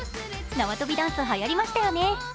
縄跳びダンスはやりましたよね。